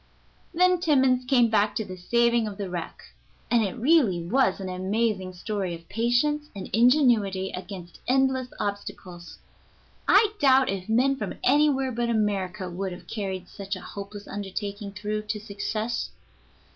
] Then Timmans came back to the saving of the wreck, and it really was an amazing story of patience and ingenuity against endless obstacles. I doubt if men from anywhere but America would have carried such a hopeless undertaking through to success.